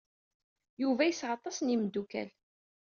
Yuba yesɛa aṭas n yimeddukal.